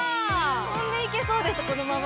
◆飛んでいけそうです、このまま。